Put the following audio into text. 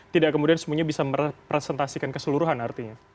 tidak kemudian semuanya bisa merepresentasikan keseluruhan artinya